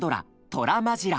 トラマジラ！」。